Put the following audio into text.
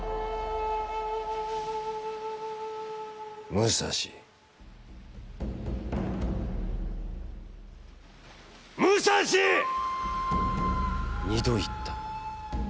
「『武蔵』『』『武蔵っ！』二度いった。